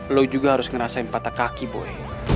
lo juga harus ngerasain patah kaki boleh